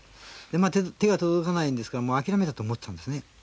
手が届かないんですから諦めたと思ったんです。